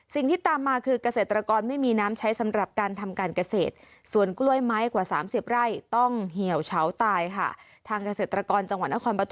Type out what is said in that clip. สิ่งที่ตามมาคือเกษตรกรไม่มีน้ำใช้สำหรับการทำการเกษตร